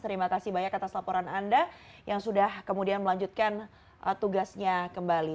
terima kasih banyak atas laporan anda yang sudah kemudian melanjutkan tugasnya kembali